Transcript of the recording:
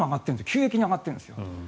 急激に上がっているんですよ。